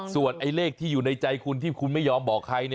ส่วนเลขที่อยู่ในใจคุณที่คุณไม่ยอมบอกใคร